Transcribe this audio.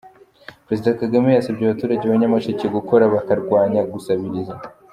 Perezida Kagame yasabye abaturage ba Nyamasheke gukora bakarwanya gusabiriza